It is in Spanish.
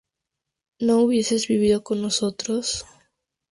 ¿no hubieseis vivido vosotros?